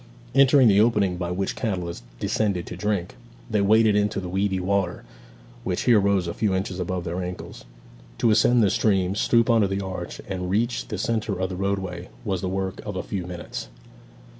Entering the opening by which cattle descended to drink, they waded into the weedy water, which here rose a few inches above their ankles. To ascend the stream, stoop under the arch, and reach the centre of the roadway, was the work of a few minutes.